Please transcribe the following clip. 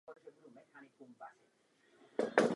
Po skončení studia medicíny se plně věnoval krevním chorobám.